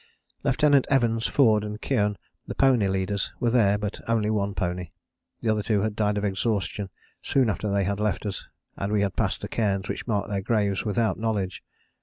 Lieutenant Evans, Forde and Keohane, the pony leaders, were there, but only one pony. The other two had died of exhaustion soon after they left us and we had passed the cairns which marked their graves without knowledge.